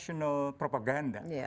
ini bukan computational propaganda